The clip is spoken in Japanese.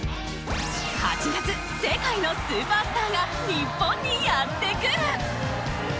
８月世界のスーパースターが日本にやって来る！